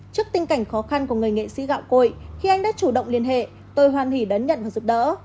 trước tình cảnh khó khăn của người nghệ sĩ gạo cội khi anh đã chủ động liên hệ tôi hoàn hỉ đón nhận và giúp đỡ